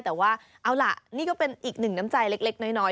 แต่ว่าเอาล่ะนี่ก็เป็นอีกหนึ่งน้ำใจเล็กน้อย